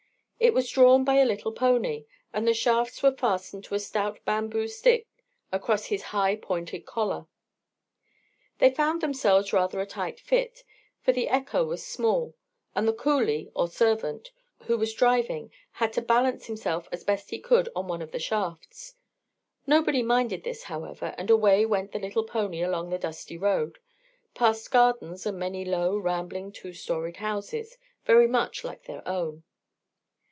It was drawn by a little pony, and the shafts were fastened to a stout bamboo stick across his high pointed collar. They found themselves rather a tight fit, for the "ekka" was small; and the coolie, or servant, who was driving had to balance himself as best he could on one of the shafts. Nobody minded this, however, and away went the little pony along the dusty road, past gardens and many low, rambling two storied houses very much like their own.